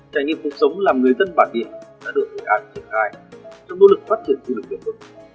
trải nghiệm cuộc sống làm người dân bản địa đã được hội an triển khai trong nỗ lực phát triển du lịch bền vững